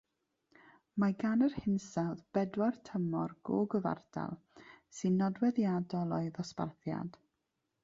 Mae gan yr hinsawdd bedwar tymor go gyfartal, sy'n nodweddiadol o'i ddosbarthiad.